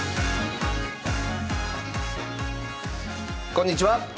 こんにちは。